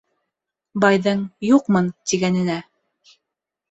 Байҙың «юҡмын» тигәненә